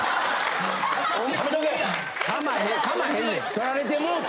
撮られてもうて？